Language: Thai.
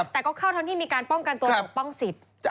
แต่ก็เข้าทั้งที่มีการป้องกันตัวปกป้องสิทธิ์